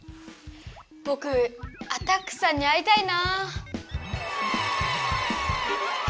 ぼくアタックさんに会いたいなあ。